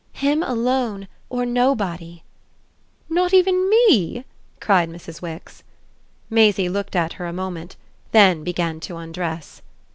"Him alone or nobody." "Not even ME?" cried Mrs. Wix. Maisie looked at her a moment, then began to undress.